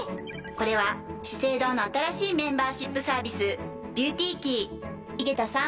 これは「資生堂」の新しいメンバーシップサービス「ＢｅａｕｔｙＫｅｙ」井桁さん